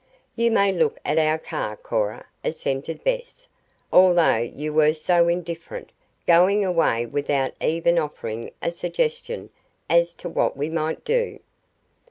"You may look at our car, Cora," assented Bess, "although you were so indifferent, going away without even offering a suggestion as to what we might do."